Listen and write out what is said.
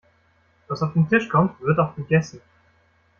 Was auf den Tisch kommt, wird auch gegessen.